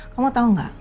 kamu tau gak